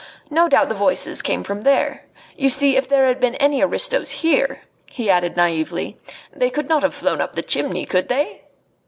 No doubt the voices came from there. You see, if there had been any aristos here," he added naively, "they could not have flown up the chimney, could they?"